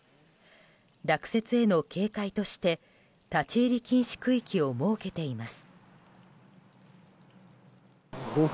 落雪への警戒として立ち入り禁止区域を設けています。